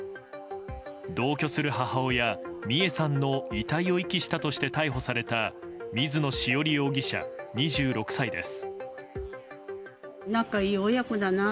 同居する母親・美恵さんの遺体を遺棄したとして逮捕された水野潮理容疑者、２６歳です。